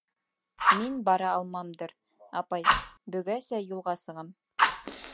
— Мин бара алмамдыр, апай, бөгәсә юлға сығам.